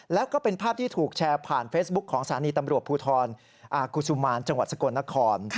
แล้วก็เป็นภาพที่ถูกแชร์ผ่านเฟซบุ๊คของสถานีตำรวจภูทรกุศุมารจังหวัดสกลนคร